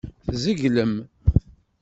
Tzeglem.